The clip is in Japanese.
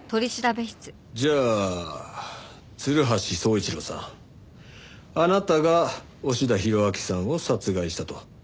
じゃあ鶴橋宗一郎さんあなたが押田洋彰さんを殺害したと？